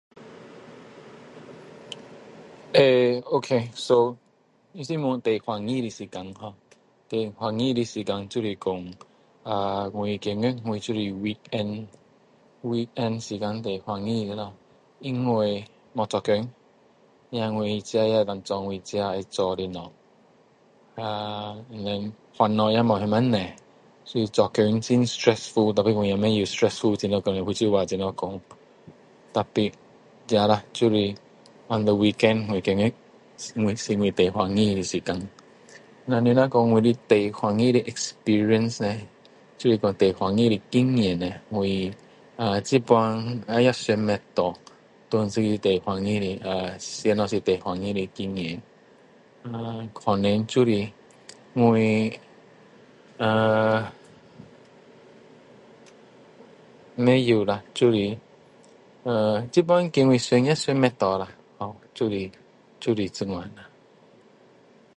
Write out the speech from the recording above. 欸okso是问最开心的时间ho最开心的时间就是说啊我觉得我就是weekendweekend时间最开心因为没有做工我能够做我自己要做的事啊。。。烦恼也没有那么多所以做工很stressful可是我不知道stressful福州话怎样讲可是weekend是我最开心的时间你如果说我最开心的experience就是现在也想不到哪一个是最开心的什么是最欢喜的经验呃可能就是我呃不知道啦就是呃现在叫我想也想不到ho就是就是这样啦